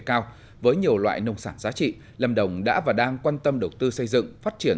cao với nhiều loại nông sản giá trị lâm đồng đã và đang quan tâm đầu tư xây dựng phát triển